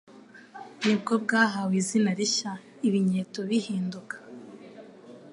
Ni bwo bwahawe izina rishya, Ibinyeto bihinduka